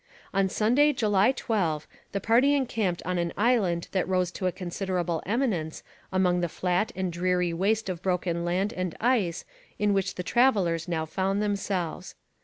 On Sunday, July 12, the party encamped on an island that rose to a considerable eminence among the flat and dreary waste of broken land and ice in which the travellers now found themselves.